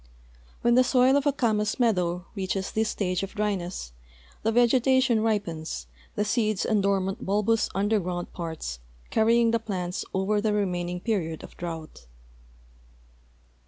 When the soil of a camas meadow reaches this stage of dryness, the vegetation ripens, the seeds and dormant bulbous underground parts carry ing the plants over the remaining period of drought.